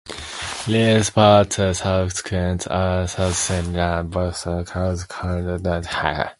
Rupert's subsequent surrender at Bristol caused Charles to dismiss his nephew from his service.